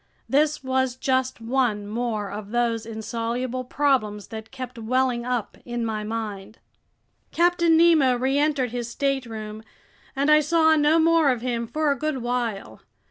This was just one more of those insoluble problems that kept welling up in my mind! Captain Nemo reentered his stateroom, and I saw no more of him for a good while.